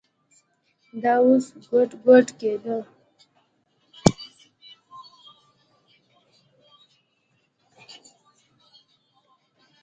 دى اوس ګوډ ګوډ کېده.